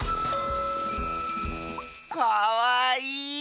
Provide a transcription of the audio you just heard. かわいい！